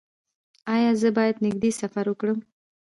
ایا زه باید نږدې سفر وکړم؟